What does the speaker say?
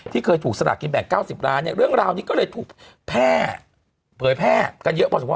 ที่เคยถูกสละกินแบ่ง๙๐ล้านเรื่องราวนี้ก็เลยเผยแพ่กันเยอะ